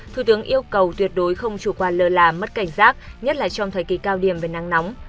thủ tướng yêu cầu tuyệt đối không chủ quan lơ là mất cảnh giác nhất là trong thời kỳ cao điểm về nắng nóng